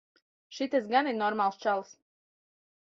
Šitas gan ir normāls čalis.